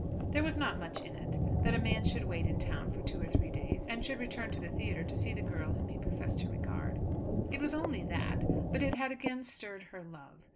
There was not much in it, that a man should wait in town for two or three days, and should return to the theatre to see the girl whom he professed to regard. It was only that, but it had again stirred her love.